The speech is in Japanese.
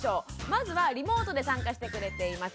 まずはリモートで参加してくれています